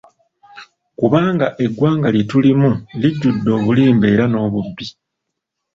Kubanga eggwanga lye tulimu lijjudde obulimba era n'obubbi.